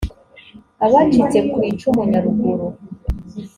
abacitse ku icumu nyaruguru